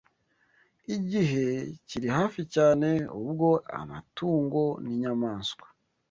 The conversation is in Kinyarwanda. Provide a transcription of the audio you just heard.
igihe kiri hafi cyane ubwo amatungo n’inyamaswa